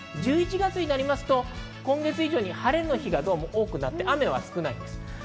１１月になりますと、今月以上に晴れの日が多くなり、雨は少なくなります。